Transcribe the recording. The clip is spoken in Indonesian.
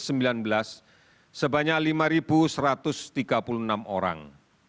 sebanyak lima satu ratus tiga puluh enam orang